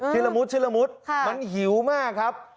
ละมุดชิ้นละมุดมันหิวมากครับ